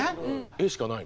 絵しかない。